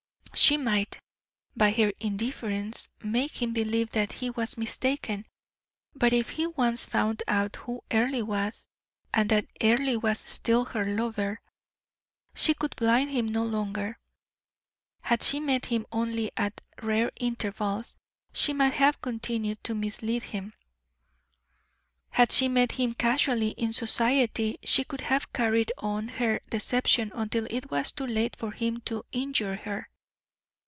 She might, by her indifference, make him believe that he was mistaken: but if he once found out who Earle was, and that Earle was still her lover, she could blind him no longer. Had she met him only at rare intervals, she might have continued to mislead him. Had she met him casually in society, she could have carried on her deception until it was too late for him to injure her.